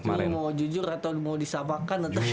mau jujur atau mau disamakan nanti